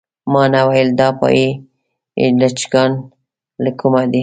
ما نه ویل دا پايي لچکان له کومه دي.